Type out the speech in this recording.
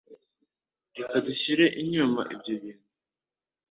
Reka dushyire inyuma ibyo bintu.